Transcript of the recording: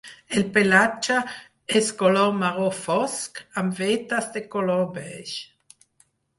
El pelatge és color marró fosc, amb vetes de color beix.